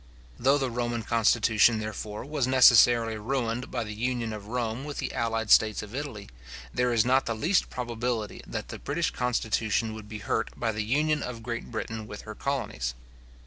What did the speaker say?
Though the Roman constitution, therefore, was necessarily ruined by the union of Rome with the allied states of Italy, there is not the least probability that the British constitution would be hurt by the union of Great Britain with her colonies.